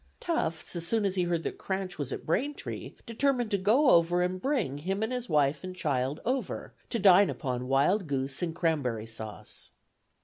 Tufts, as soon as he heard that Cranch was at Braintree, determined to go over and bring him and wife and child over, to dine upon wild goose, and cranberry sauce."